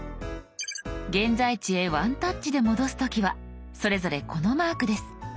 現在地へワンタッチで戻す時はそれぞれこのマークです。